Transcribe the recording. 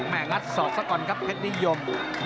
งัดศอกซะก่อนครับเพชรนิยม